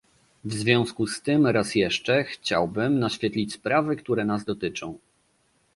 W związku z tym raz jeszcze chciałbym naświetlić sprawy, które nas dotyczą